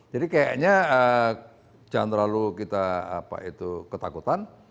jadi kayaknya jangan terlalu kita ketakutan